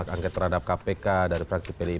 angket terhadap kpk dari fraksi pli bnr